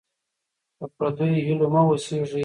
په پردیو هیلو مه اوسېږئ.